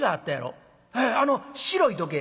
「へえあの白い時計？」。